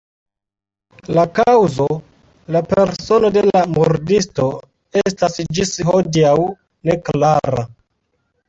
La kaŭzo, la persono de la murdisto estas ĝis hodiaŭ neklara.